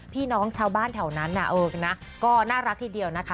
พี่น้องชาวบ้านแถวนั้นก็น่ารักทีเดียวนะคะ